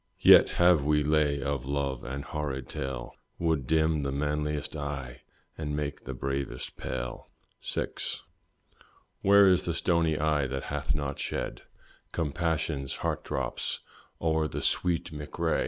Yet have we lay of love and horrid tale Would dim the manliest eye and make the bravest pale. VI. Where is the stony eye that hath not shed Compassion's heart drops o'er the sweet Mc Rea?